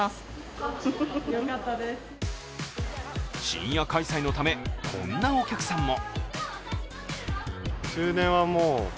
深夜開催のためこんなお客さんも。